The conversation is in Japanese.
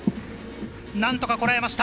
何とかこらえました。